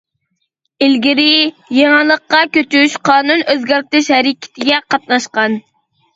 ئىلگىرى يېڭىلىققا كۆچۈش، قانۇن ئۆزگەرتىش ھەرىكىتىگە قاتناشقان.